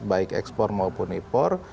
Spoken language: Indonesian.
baik ekspor maupun ipor